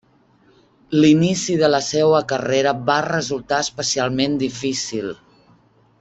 L'inici de la seua carrera va resultar especialment difícil.